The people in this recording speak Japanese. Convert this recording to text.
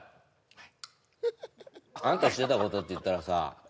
はいあんたしてたことっていったらさ